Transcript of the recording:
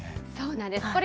そうなんです。